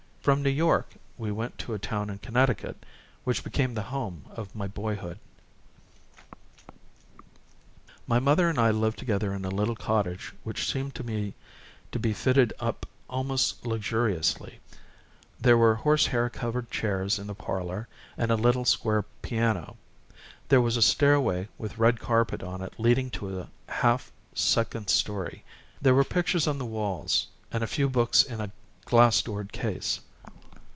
From New York we went to a town in Connecticut, which became the home of my boyhood. My mother and I lived together in a little cottage which seemed to me to be fitted up almost luxuriously; there were horse hair covered chairs in the parlor, and a little square piano; there was a stairway with red carpet on it leading to a half second story; there were pictures on the walls, and a few books in a glass doored case.